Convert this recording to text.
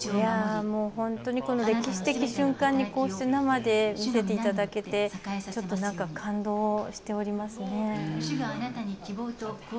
本当に歴史的瞬間にこうして生で見せていただけてちょっと、感動しておりますね。